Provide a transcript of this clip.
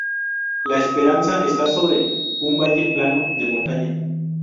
La Esperanza está sobre un valle plano de montaña.